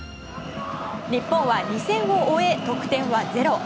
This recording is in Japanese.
日本は２戦を終え、得点はゼロ。